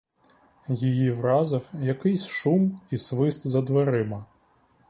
Її вразив якийсь шум і свист за дверима.